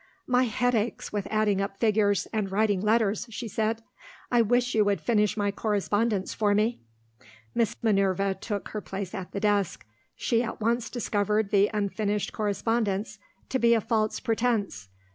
"My head aches with adding up figures, and writing letters," she said. "I wish you would finish my correspondence for me." Miss Minerva took her place at the desk. She at once discovered the unfinished correspondence to be a false pretence.